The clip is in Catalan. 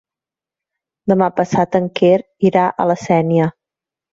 Demà passat en Quer irà a la Sénia.